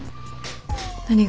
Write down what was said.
何が？